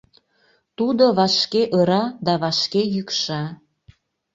Тудо вашке ыра да вашке йӱкша.